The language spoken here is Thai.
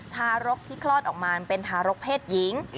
ทารกที่คลอดออกมาเป็นทารกเพศหญิง